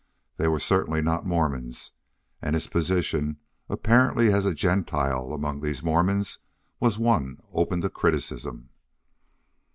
They were certainly not Mormons. And his position, apparently as a Gentile, among these Mormons was one open to criticism.